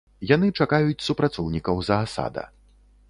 Яны чакаюць супрацоўнікаў заасада.